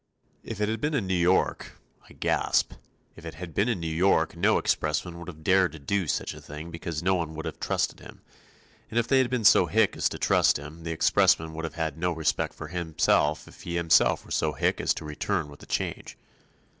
If it had been in New York I gasp if it had been in New York, no expressman would have dared do such a thing because no one would have trusted him, and if they had been so hick as to trust him, the expressman would have had no respect for himself if he himself were so hick as to return with the change.